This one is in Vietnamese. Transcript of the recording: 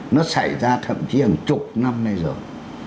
nó xảy ra thậm chí hàng chục năm nay rồi